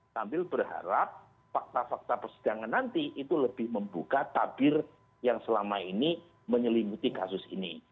sambil berharap fakta fakta persidangan nanti itu lebih membuka tabir yang selama ini menyelimuti kasus ini